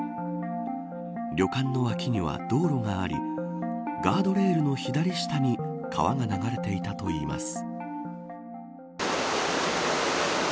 旅館の脇には道路がありガードレールの左下に川が流れていたといいます。